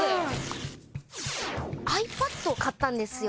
ｉＰａｄを買ったんですよ。